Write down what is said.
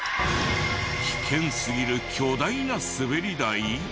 危険すぎる巨大なスベリ台！？